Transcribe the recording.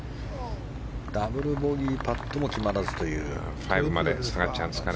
ダブルボギーパットも決まらずという。